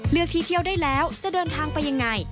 เลือกที่เที่ยวได้แล้วจะเดินทางไปยังไง